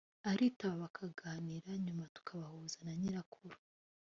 aritaba bakaganira nyuma tukabahuza na nyirakuru